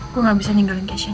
gue gak bisa ninggalin kece aja